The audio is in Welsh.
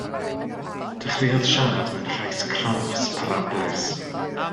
Dechreuodd siarad mewn llais cras, parablus.